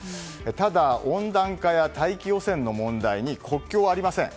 ただ、温暖化や大気汚染の問題に国境はありません。